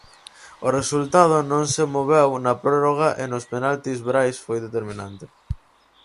O resultado non se moveu na prórroga e nos penaltis Brais foi determinante.